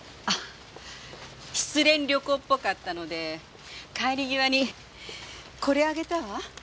失恋旅行っぽかったので帰り際にこれあげたわ。